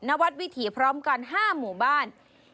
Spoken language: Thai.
นวัดวิถีพร้อมกัน๕หมู่บ้าน